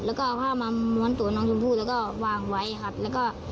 แล้วก็เอาผ้ามาม้วนตัวน้องชมพู่แล้วก็วางไว้ครับแล้วก็